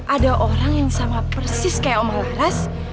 ada orang yang sama persis kayak oma laras